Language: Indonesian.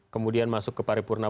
kemudian masuk ke paripurna